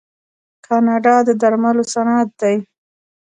کاناډا د درملو صنعت لري.